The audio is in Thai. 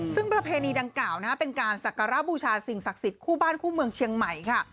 ซึ่งประเพณีดังกล่าวเป็นการสักการะบูชาสิ่งศักดิ์สิทธิ์คู่บ้านคู่เมืองเชียงใหม่ค่ะ